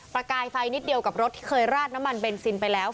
ประกายไฟนิดเดียวกับรถที่เคยราดน้ำมันเบนซินไปแล้ว